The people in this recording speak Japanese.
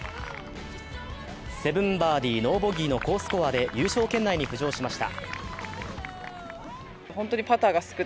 ７バーディー・ノーボギーの好スコアで優勝圏内に浮上しました。